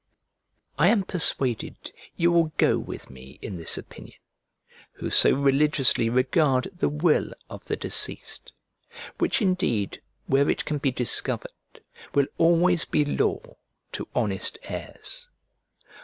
I am persuaded you will go with me in this opinion, who so religiously regard the will of the deceased, which indeed where it can be discovered will always be law to honest heirs.